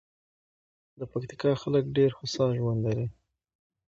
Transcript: د پکتیکا خلک ډېر هوسا ژوند لري.